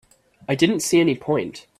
I didn't see any point.